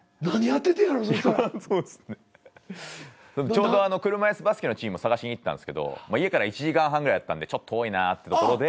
ちょうど車椅子バスケのチーム探しに行ったんですけど家から１時間半ぐらいだったんでちょっと遠いなっていうところで。